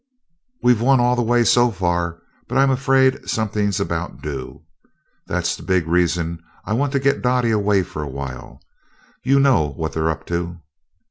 "We've won all the way so far, but I'm afraid something's about due. That's the big reason I want to get Dot away for a while. You know what they're up to?"